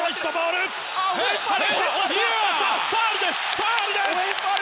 ファウルです！